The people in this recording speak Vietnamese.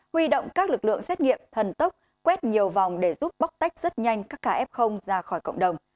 huy động các lực lượng xét nghiệm thần tốc quét nhiều vòng để giúp bóc tách rất nhanh các ca f ra khỏi cộng đồng